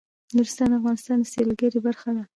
نورستان د افغانستان د سیلګرۍ برخه ده.